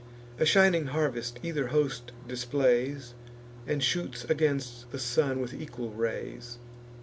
A shining harvest either host displays, And shoots against the sun with equal rays.